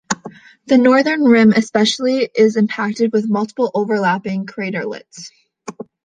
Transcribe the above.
The northern rim especially is impacted with multiple overlapping craterlets.